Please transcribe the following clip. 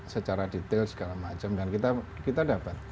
secara detail segala macam dan kita dapat